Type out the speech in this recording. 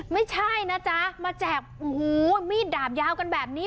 ไม่ใช่นะจ๊ะมาแจกโอ้โหมีดดาบยาวกันแบบนี้